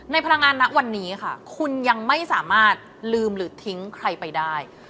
พลังงานณวันนี้ค่ะคุณยังไม่สามารถลืมหรือทิ้งใครไปได้